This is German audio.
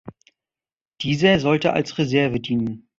Dieser sollte als Reserve dienen.